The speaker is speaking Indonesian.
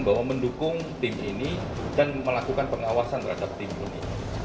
bahwa mendukung tim ini dan melakukan pengawasan terhadap tim ini